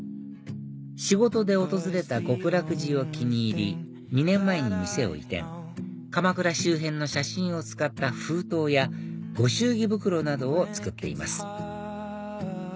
仕事で訪れた極楽寺を気に入り２年前に店を移転鎌倉周辺の写真を使った封筒やご祝儀袋などを作っています